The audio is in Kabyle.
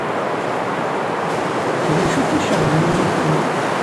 D acu i k-iceɣben ay ayyur.